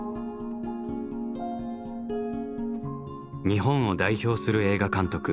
日本を代表する映画監督